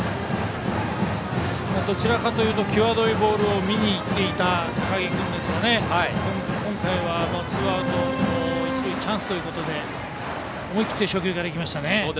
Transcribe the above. どちらかというと際どいボール見に行っていた高木君でしたが今回はツーアウト、一塁でチャンスということで思い切って初球からいきました。